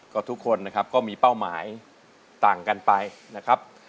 ก็ทุกคนนะครับก็มีเป้าหมายต่างกันไปนะครับ